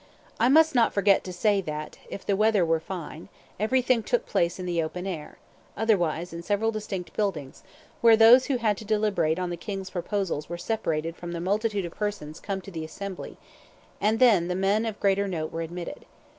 I must not forget to say that, if the weather were fine, everything took place in the open air; otherwise, in several distinct buildings, where those who had to deliberate on the king's proposals were separated from the multitude of persons come to the assembly, and then the men of greater note were admitted.